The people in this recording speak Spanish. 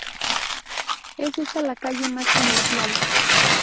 Es esta la calle más comercial.